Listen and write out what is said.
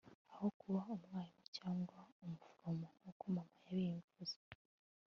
aho kuba umwarimu cyangwa umuforomo nkuko mama yabivuze